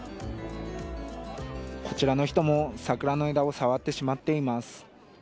こちらの人も桜の枝を触ってしまっています。